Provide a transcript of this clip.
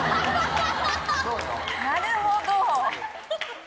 「なるほど」。